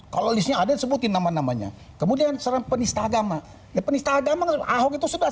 kalau disini ada sebutin nama namanya kemudian seram penista agama penista agama itu sudah